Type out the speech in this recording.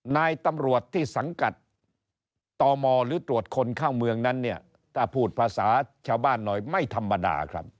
นายตำรวจที่สังกัดตมหรือตรวจคนเข้าเมืองนั้นเนี่ยถ้าพูดภาษาชาวบ้านหน่อยไม่ธรรมดาครับ